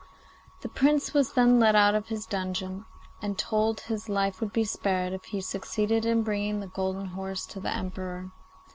The Prince was then let out of his dungeon, and told his life would be spared if he succeeded in bringing the golden horse to the Emperor.